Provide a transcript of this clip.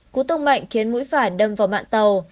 cú tông mạnh khiến mũi phả đâm vào mạng tàu